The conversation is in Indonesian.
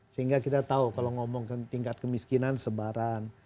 sehingga kita tahu kalau ngomong tingkat kemiskinan sebaran